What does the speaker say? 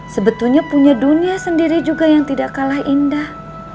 sebetulnya punya dunia sendiri juga yang tidak kalah indah